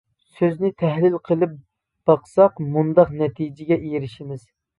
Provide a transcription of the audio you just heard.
سۆزنى تەھلىل قىلىپ باقساق مۇنداق نەتىجىگە ئېرىشىمىز.